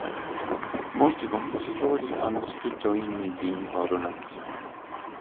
Molti compositori hanno scritto inni di incoronazione.